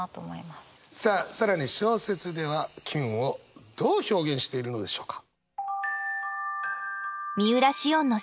さあ更に小説ではキュンをどう表現しているのでしょうか？